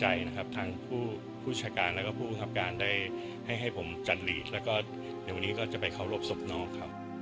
เสียใจนะครับทางผู้ผู้ชายการแล้วก็ผู้ครับการได้ให้ให้ผมจันหลีแล้วก็เดี๋ยววันนี้ก็จะไปเข้ารบศพน้องครับ